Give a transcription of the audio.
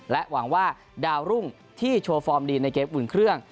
หวังว่าดาวรุ่งที่โชว์ฟอร์มดีในเกมอุ่นเครื่อง